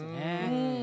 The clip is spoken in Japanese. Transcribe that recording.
うん。